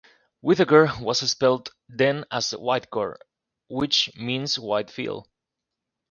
Whitacre was spelt then as 'Witecore' which means white field.